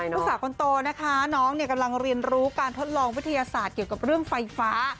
ลูกสาวคนโตนะคะน้องเนี่ยกำลังเรียนรู้การทดลองวิทยาศาสตร์เกี่ยวกับเรื่องไฟฟ้า